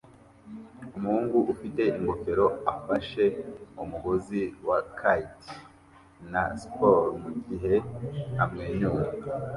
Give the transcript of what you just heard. Umuhungu ufite ingofero afashe umugozi wa kite na spol mugihe amwenyura